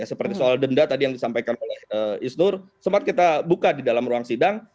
seperti soal denda tadi yang disampaikan oleh isnur sempat kita buka di dalam ruang sidang